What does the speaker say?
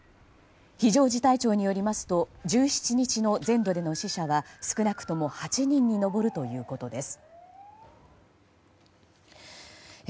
非常事態庁によりますと１７日の全土での死者は少なくとも８人に上るということです。